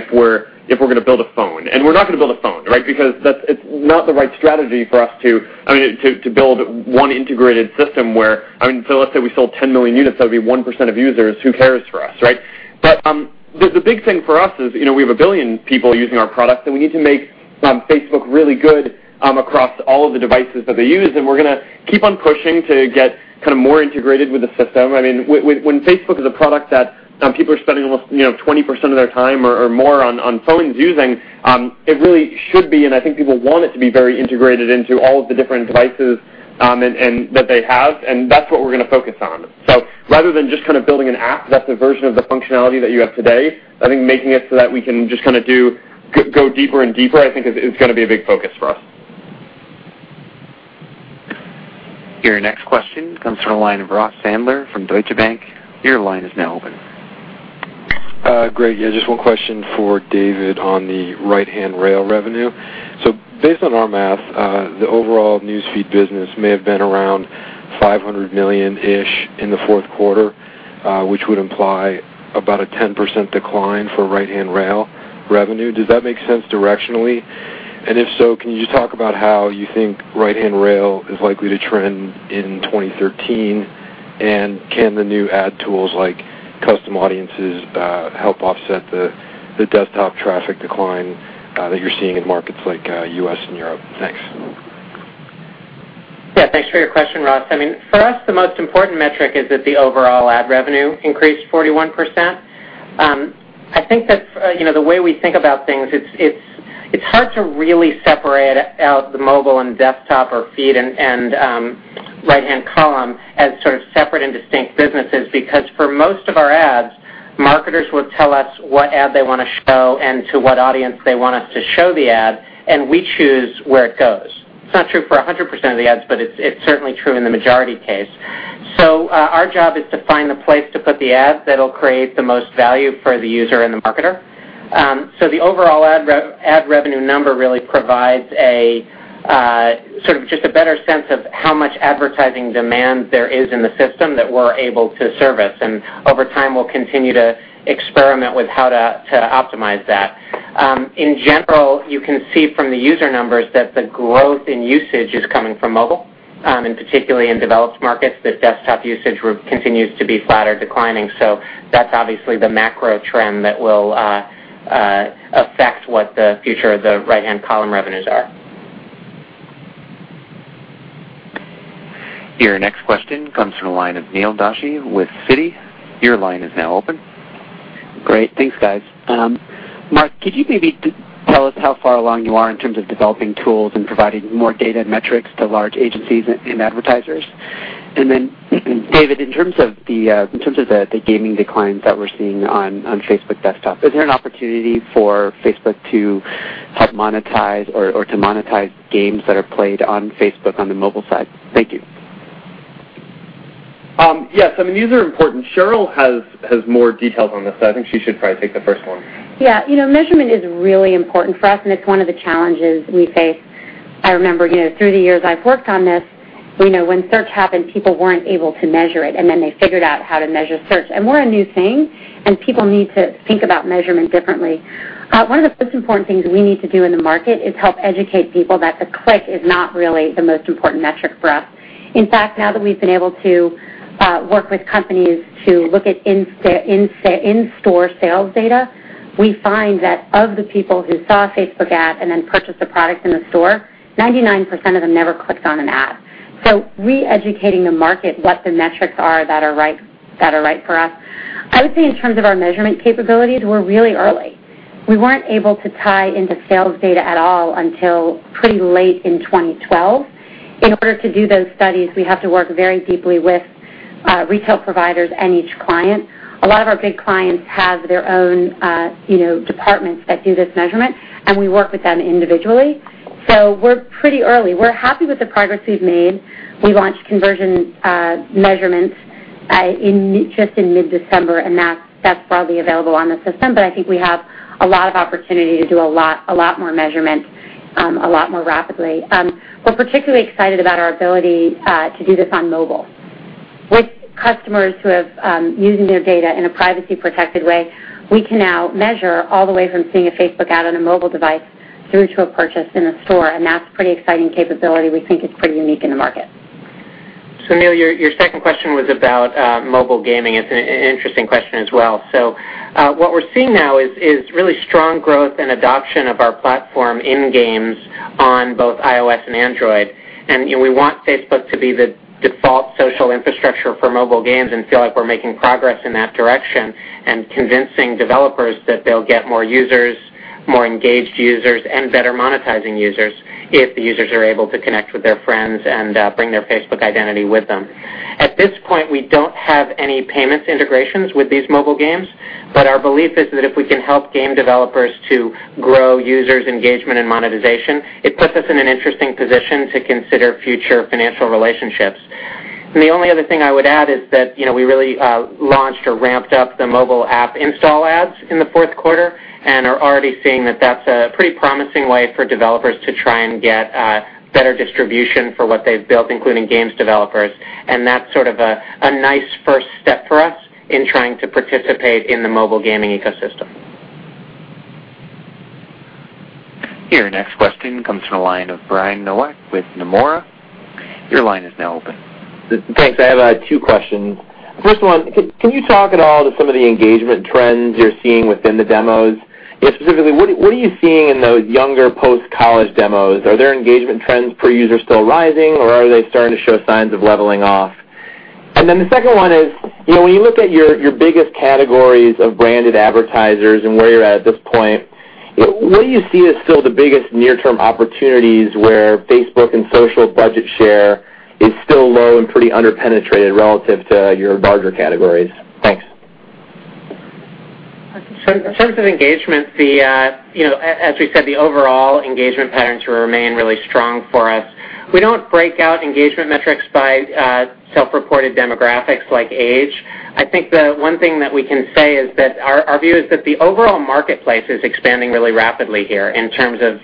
if we're going to build a phone, we're not going to build a phone. It's not the right strategy for us to build one integrated system where, so let's say we sold 10 million units, that would be 1% of users. Who cares for us, right? The big thing for us is, we have 1 billion people using our product, we need to make Facebook really good across all of the devices that they use, we're going to keep on pushing to get more integrated with the system. When Facebook is a product that people are spending almost 20% of their time or more on phones using, it really should be, I think people want it to be very integrated into all of the different devices that they have, that's what we're going to focus on. Rather than just building an app that's a version of the functionality that you have today, I think making it so that we can just go deeper and deeper, I think is going to be a big focus for us. Your next question comes from the line of Ross Sandler from Deutsche Bank. Your line is now open. Great. Yeah, just one question for David on the right-hand rail revenue. Based on our math, the overall News Feed business may have been around $500 million-ish in the fourth quarter, which would imply about a 10% decline for right-hand rail revenue. Does that make sense directionally? And if so, can you just talk about how you think right-hand rail is likely to trend in 2013, and can the new ad tools like Custom Audiences help offset the desktop traffic decline that you're seeing in markets like U.S. and Europe? Thanks. Yeah, thanks for your question, Ross. For us, the most important metric is that the overall ad revenue increased 41%. I think that the way we think about things, it's hard to really separate out the mobile and desktop or News Feed and right-hand column as sort of separate and distinct businesses because for most of our ads, marketers will tell us what ad they want to show and to what audience they want us to show the ad, and we choose where it goes. It's not true for 100% of the ads, but it's certainly true in the majority case. Our job is to find the place to put the ad that'll create the most value for the user and the marketer. The overall ad revenue number really provides sort of just a better sense of how much advertising demand there is in the system that we're able to service. Over time, we'll continue to experiment with how to optimize that. In general, you can see from the user numbers that the growth in usage is coming from mobile, and particularly in developed markets, that desktop usage continues to be flat or declining. That's obviously the macro trend that will affect what the future of the right-hand column revenues are. Your next question comes from the line of Neil Doshi with Citi. Your line is now open. Great. Thanks, guys. Mark, could you maybe tell us how far along you are in terms of developing tools and providing more data and metrics to large agencies and advertisers? David, in terms of the gaming declines that we're seeing on Facebook desktop, is there an opportunity for Facebook to help monetize or to monetize games that are played on Facebook on the mobile side? Thank you. Yes. These are important. Sheryl has more details on this. I think she should probably take the first one. Yeah. Measurement is really important for us, and it's one of the challenges we face. I remember through the years I've worked on this, when search happened, people weren't able to measure it, they figured out how to measure search. We're a new thing, and people need to think about measurement differently. One of the most important things we need to do in the market is help educate people that the click is not really the most important metric for us. In fact, now that we've been able to work with companies to look at in-store sales data, we find that of the people who saw a Facebook ad and then purchased a product in the store, 99% of them never clicked on an ad. Re-educating the market what the metrics are that are right for us. I would say in terms of our measurement capabilities, we're really early. We weren't able to tie into sales data at all until pretty late in 2012. In order to do those studies, we have to work very deeply with retail providers and each client. A lot of our big clients have their own departments that do this measurement, and we work with them individually. We're pretty early. We're happy with the progress we've made. We launched conversion measurements just in mid-December, and that's broadly available on the system. I think we have a lot of opportunity to do a lot more measurement, a lot more rapidly. We're particularly excited about our ability to do this on mobile. With customers using their data in a privacy-protected way, we can now measure all the way from seeing a Facebook ad on a mobile device through to a purchase in a store. That's a pretty exciting capability. We think it's pretty unique in the market. Neil, your second question was about mobile gaming. It's an interesting question as well. What we're seeing now is really strong growth and adoption of our platform in games on both iOS and Android. We want Facebook to be the default social infrastructure for mobile games and feel like we're making progress in that direction and convincing developers that they'll get more users, more engaged users, and better monetizing users if the users are able to connect with their friends and bring their Facebook identity with them. At this point, we don't have any payments integrations with these mobile games, our belief is that if we can help game developers to grow users' engagement and monetization, it puts us in an interesting position to consider future financial relationships. The only other thing I would add is that we really launched or ramped up the mobile app install ads in the fourth quarter and are already seeing that that's a pretty promising way for developers to try and get better distribution for what they've built, including games developers. That's sort of a nice first step for us in trying to participate in the mobile gaming ecosystem. Your next question comes from the line of Brian Nowak with Nomura. Your line is now open. Thanks. I have two questions. First one, can you talk at all to some of the engagement trends you're seeing within the demos? Specifically, what are you seeing in those younger post-college demos? Are their engagement trends per user still rising, or are they starting to show signs of leveling off? The second one is, when you look at your biggest categories of branded advertisers and where you're at at this point, what do you see as still the biggest near-term opportunities where Facebook and social budget share is still low and pretty under-penetrated relative to your larger categories? Thanks. In terms of engagement, as we said, the overall engagement patterns remain really strong for us. We don't break out engagement metrics by self-reported demographics like age. I think the one thing that we can say is that our view is that the overall marketplace is expanding really rapidly here in terms of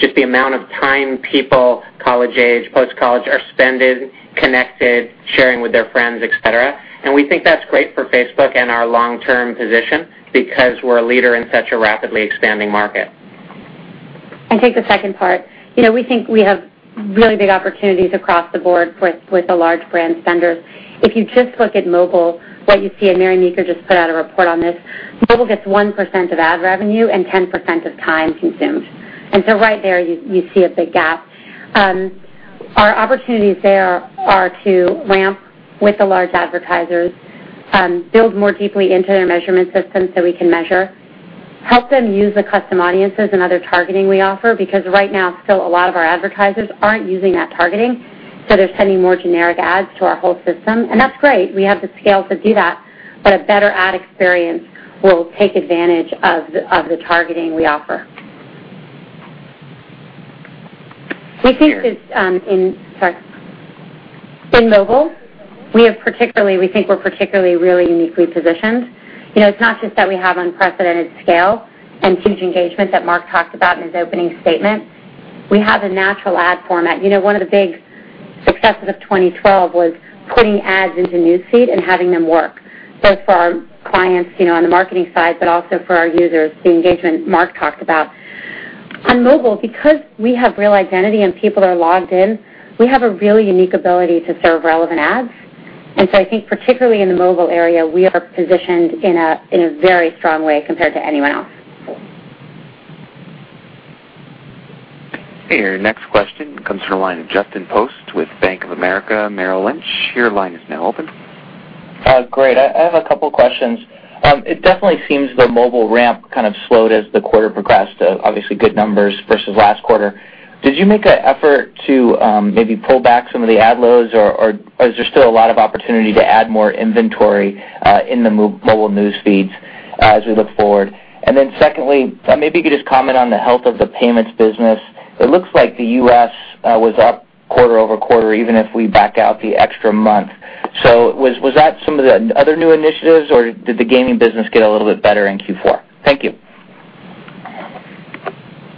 just the amount of time people, college age, post-college, are spending, connected, sharing with their friends, et cetera. We think that's great for Facebook and our long-term position because we're a leader in such a rapidly expanding market. I'll take the second part. We think we have really big opportunities across the board with the large brand spenders. If you just look at mobile, what you see, Mary Meeker just put out a report on this, mobile gets 1% of ad revenue and 10% of time consumed. Right there, you see a big gap. Our opportunities there are to ramp with the large advertisers, build more deeply into their measurement systems so we can measure, help them use the Custom Audiences and other targeting we offer, because right now, still a lot of our advertisers aren't using that targeting, so they're sending more generic ads to our whole system. That's great. We have the scale to do that, but a better ad experience will take advantage of the targeting we offer. In mobile, we think we're particularly really uniquely positioned. It's not just that we have unprecedented scale and huge engagement that Mark talked about in his opening statement. We have a natural ad format. One of the big successes of 2012 was putting ads into News Feed and having them work, both for our clients on the marketing side, but also for our users, the engagement Mark talked about. On mobile, because we have real identity and people are logged in, we have a really unique ability to serve relevant ads. I think particularly in the mobile area, we are positioned in a very strong way compared to anyone else. Your next question comes from the line of Justin Post with Bank of America Merrill Lynch. Your line is now open. Great. I have a couple questions. It definitely seems the mobile ramp kind of slowed as the quarter progressed. Obviously, good numbers versus last quarter. Did you make an effort to maybe pull back some of the ad loads, or is there still a lot of opportunity to add more inventory in the mobile News Feed as we look forward? Secondly, maybe you could just comment on the health of the payments business. It looks like the U.S. was up quarter-over-quarter, even if we back out the extra month. Was that some of the other new initiatives, or did the gaming business get a little bit better in Q4? Thank you.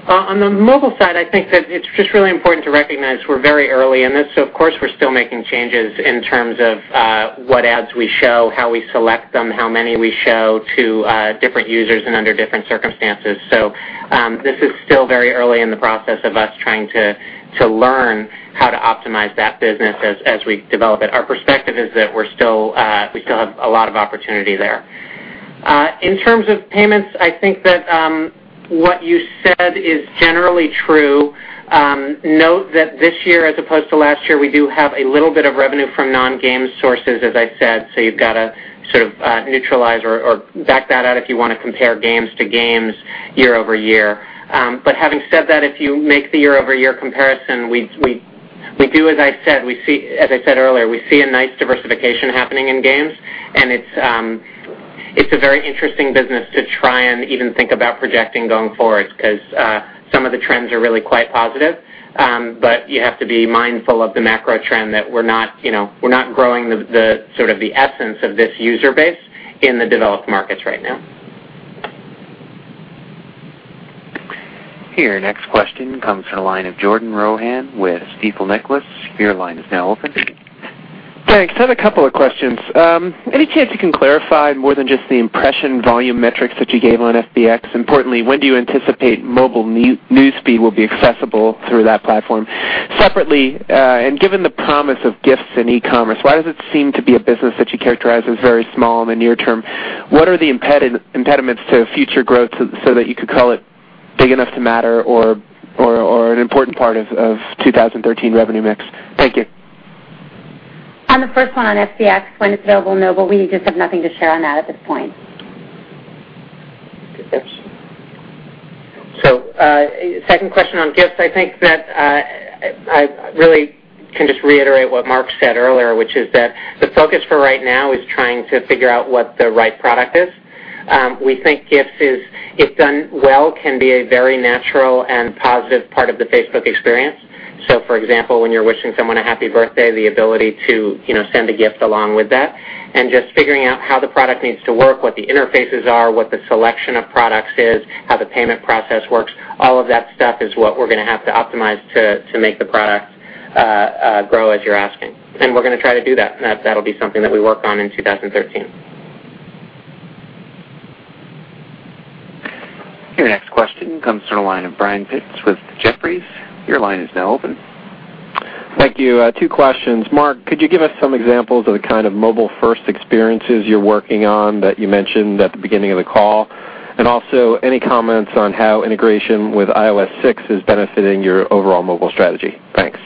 On the mobile side, I think that it's just really important to recognize we're very early in this, of course, we're still making changes in terms of what ads we show, how we select them, how many we show to different users and under different circumstances. This is still very early in the process of us trying to learn how to optimize that business as we develop it. Our perspective is that we still have a lot of opportunity there. In terms of payments, I think that what you said is generally true. Note that this year, as opposed to last year, we do have a little bit of revenue from non-game sources, as I said, you've got to sort of neutralize or back that out if you want to compare games to games year-over-year. Having said that, if you make the year-over-year comparison, as I said earlier, we see a nice diversification happening in games. It's a very interesting business to try and even think about projecting going forward because some of the trends are really quite positive. You have to be mindful of the macro trend that we're not growing the essence of this user base in the developed markets right now. Your next question comes from the line of Jordan Rohan with Stifel Nicolaus. Your line is now open. Thanks. I have a couple of questions. Any chance you can clarify more than just the impression volume metrics that you gave on FBX? Importantly, when do you anticipate mobile News Feed will be accessible through that platform? Separately, given the promise of gifts in e-commerce, why does it seem to be a business that you characterize as very small in the near term? What are the impediments to future growth so that you could call it big enough to matter or an important part of 2013 revenue mix? Thank you. On the first one on FBX, when it's available, no. We just have nothing to share on that at this point. Second question on gifts. I think that I really can just reiterate what Mark said earlier, which is that the focus for right now is trying to figure out what the right product is. We think gifts, if done well, can be a very natural and positive part of the Facebook experience. For example, when you're wishing someone a happy birthday, the ability to send a gift along with that, and just figuring out how the product needs to work, what the interfaces are, what the selection of products is, how the payment process works. All of that stuff is what we're going to have to optimize to make the product grow as you're asking. We're going to try to do that. That'll be something that we work on in 2013. Your next question comes from the line of Brian Pitz with Jefferies. Your line is now open. Thank you. Two questions. Mark, could you give us some examples of the kind of mobile-first experiences you're working on that you mentioned at the beginning of the call? Also, any comments on how integration with iOS 6 is benefiting your overall mobile strategy? Thanks.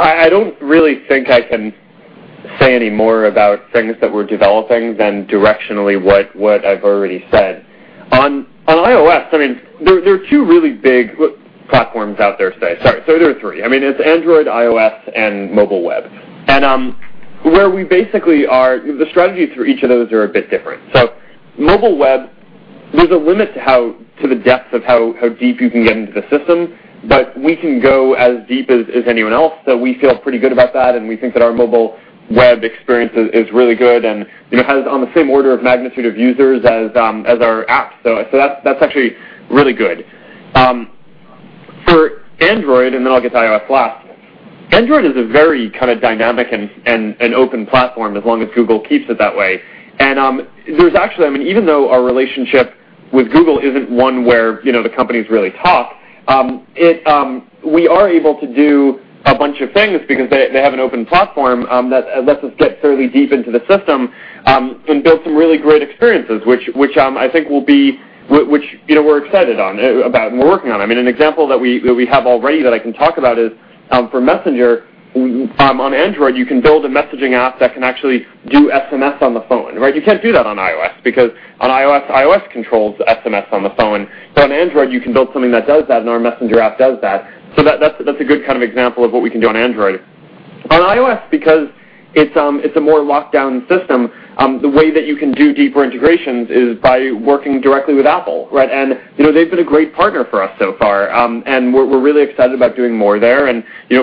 I don't really think I can say any more about things that we're developing than directionally what I've already said. On iOS, there are two really big platforms out there today. Sorry, there are three. It's Android, iOS, and mobile web. The strategies for each of those are a bit different. Mobile web, there's a limit to the depth of how deep you can get into the system, but we can go as deep as anyone else. We feel pretty good about that, and we think that our mobile web experience is really good and has on the same order of magnitude of users as our app. That's actually really good. For Android, then I'll get to iOS last. Android is a very dynamic and open platform as long as Google keeps it that way. Even though our relationship with Google isn't one where the companies really talk, we are able to do a bunch of things because they have an open platform that lets us get fairly deep into the system and build some really great experiences, which we're excited about and we're working on. An example that we have already that I can talk about is for Messenger. On Android, you can build a messaging app that can actually do SMS on the phone. You can't do that on iOS because on iOS controls SMS on the phone. On Android, you can build something that does that, and our Messenger app does that. That's a good example of what we can do on Android. On iOS, because it's a more locked-down system, the way that you can do deeper integrations is by working directly with Apple. They've been a great partner for us so far. We're really excited about doing more there.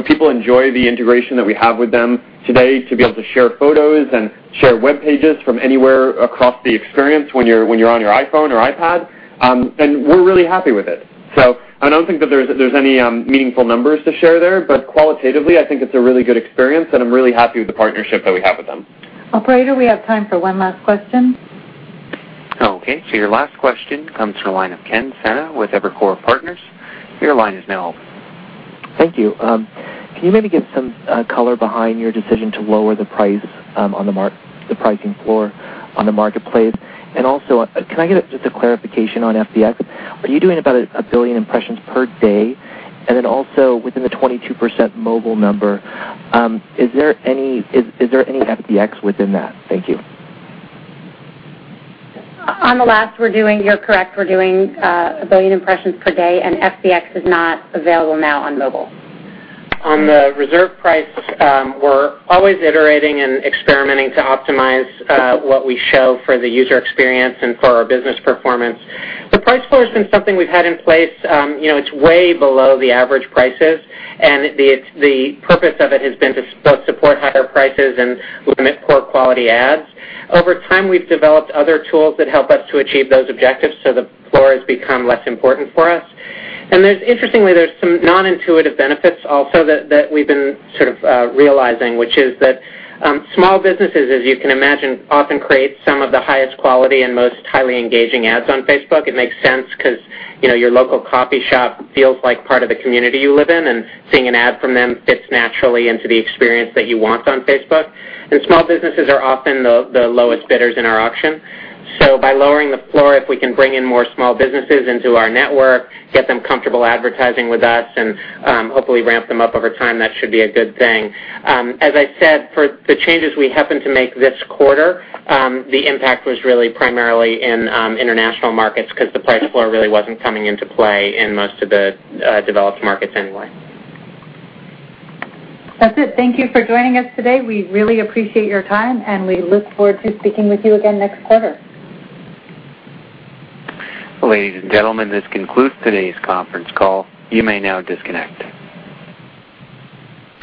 People enjoy the integration that we have with them today to be able to share photos and share web pages from anywhere across the experience when you're on your iPhone or iPad. We're really happy with it. I don't think that there's any meaningful numbers to share there, but qualitatively, I think it's a really good experience, and I'm really happy with the partnership that we have with them. Operator, we have time for one last question. Okay. Your last question comes from the line of Ken Sena with Evercore Partners. Your line is now open. Thank you. Can you maybe give some color behind your decision to lower the pricing floor on the Marketplace? Can I get just a clarification on FBX? Are you doing about 1 billion impressions per day? Within the 22% mobile number, is there any FBX within that? Thank you. On the last, you're correct. We're doing 1 billion impressions per day. FBX is not available now on mobile. On the reserve price, we're always iterating and experimenting to optimize what we show for the user experience and for our business performance. The price floor has been something we've had in place. It's way below the average prices. The purpose of it has been to both support higher prices and limit poor quality ads. Over time, we've developed other tools that help us to achieve those objectives. The floor has become less important for us. Interestingly, there's some non-intuitive benefits also that we've been realizing, which is that small businesses, as you can imagine, often create some of the highest quality and most highly engaging ads on Facebook. It makes sense because your local coffee shop feels like part of the community you live in. Seeing an ad from them fits naturally into the experience that you want on Facebook. Small businesses are often the lowest bidders in our auction. By lowering the floor, if we can bring in more small businesses into our network, get them comfortable advertising with us, hopefully ramp them up over time, that should be a good thing. As I said, for the changes we happened to make this quarter, the impact was really primarily in international markets because the price floor really wasn't coming into play in most of the developed markets anyway. That's it. Thank you for joining us today. We really appreciate your time, and we look forward to speaking with you again next quarter. Ladies and gentlemen, this concludes today's conference call. You may now disconnect.